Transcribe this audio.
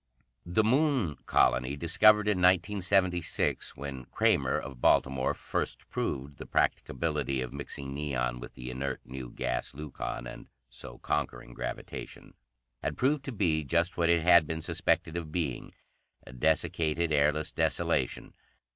The Moon Colony, discovered in 1976, when Kramer, of Baltimore, first proved the practicability of mixing neon with the inert new gas, leucon, and so conquering gravitation, had proved to be just what it had been suspected of being a desiccated, airless desolation.